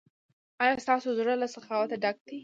ایا ستاسو زړه له سخاوت ډک دی؟